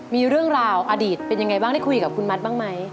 มีเรื่องราวอดีตเป็นยังไงบ้างได้คุยกับคุณมัดบ้างไหม